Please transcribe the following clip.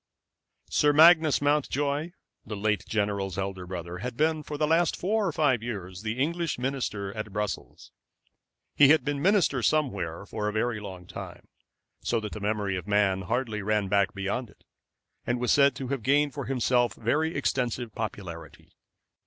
Sir Magnus Mountjoy, the late general's elder brother, had been for the last four or five years the English minister at Brussels. He had been minister somewhere for a very long time, so that the memory of man hardly ran back beyond it, and was said to have gained for himself very extensive popularity.